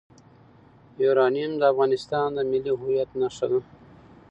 یورانیم د افغانستان د ملي هویت نښه ده.